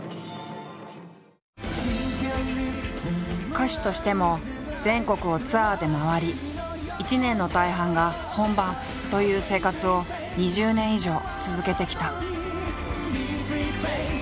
歌手としても全国をツアーで回りという生活を２０年以上続けてきた。